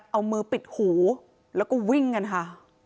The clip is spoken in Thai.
เอามือปิดหูแล้วก็วิ่งกันค่ะ